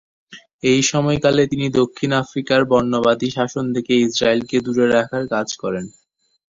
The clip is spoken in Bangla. এই সময়কালে তিনি দক্ষিণ আফ্রিকার বর্ণবাদী শাসন থেকে ইসরায়েলকে দূরে রাখার কাজ করেন।